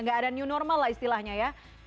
nggak ada new normal lah istilahnya ya